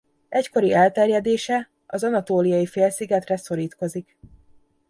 Egykori elterjedése az Anatóliai-félszigetre szorítkozik.